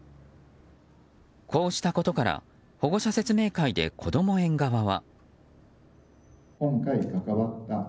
こうしたことから保護者説明会でこども園側は。